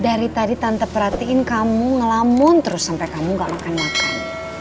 dari tadi tante perhatiin kamu ngelamun terus sampai kamu gak makan makan